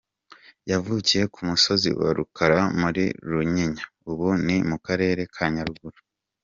Yavukiye ku musozi wa Rukara muri Runyinya, ubu ni mu Karere ka Nyaruguru.